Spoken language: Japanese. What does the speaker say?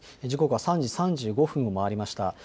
時刻は３時３５分を回りました。